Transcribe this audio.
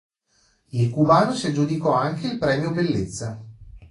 Il cubano si aggiudicò anche il premio bellezza.